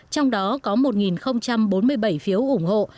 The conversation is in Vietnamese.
trong đó có một bốn mươi bảy phiếu ủng hộ